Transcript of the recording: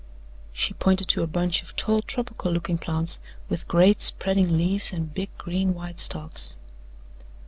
She pointed to a bunch of tall tropical looking plants with great spreading leaves and big green white stalks.